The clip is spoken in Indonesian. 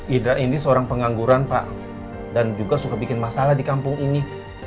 idra ini seorang pengangguran pak dan juga suka bikin masalah di kampung ini